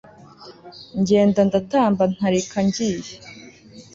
ngenda ndatamba ntarika ngiye